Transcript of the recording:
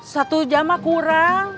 satu jam kurang